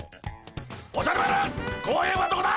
おじゃる丸公園はどこだ！